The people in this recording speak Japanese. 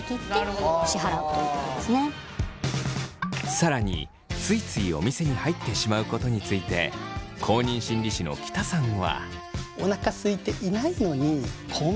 さらについついお店に入ってしまうことについて公認心理師の喜田さんは。